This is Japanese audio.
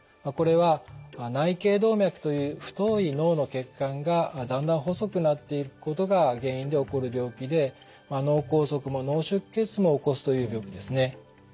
これは内頚動脈という太い脳の血管がだんだん細くなっていくことが原因で起こる病気で脳梗塞も脳出血も起こすという病気ですね。